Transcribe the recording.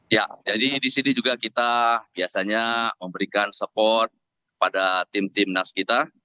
ya jadi disini juga kita biasanya memberikan support pada tim tim nas kita